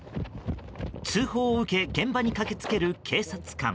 通報を受け現場に駆け付ける警察官。